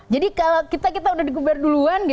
jadi kalau kita kita udah digubar dulu